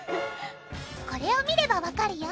これを見ればわかるよ！